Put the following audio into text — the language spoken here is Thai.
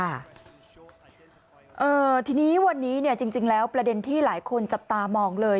อ่าทีนี้วันนี้เนี่ยจริงแล้วประเด็นที่หลายคนจับตามองเลย